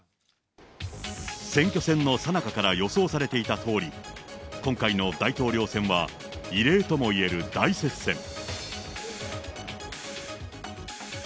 選挙戦のさなかから予想されていたとおり、今回の大統領選は、異例ともいえる大接戦。